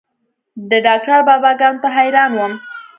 د ډاکتر بابا ګانو ته حيران وم.